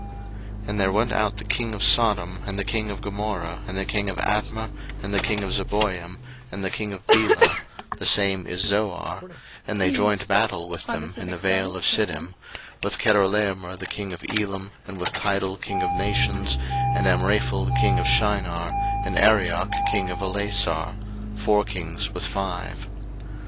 01:014:008 And there went out the king of Sodom, and the king of Gomorrah, and the king of Admah, and the king of Zeboiim, and the king of Bela (the same is Zoar;) and they joined battle with them in the vale of Siddim; 01:014:009 With Chedorlaomer the king of Elam, and with Tidal king of nations, and Amraphel king of Shinar, and Arioch king of Ellasar; four kings with five.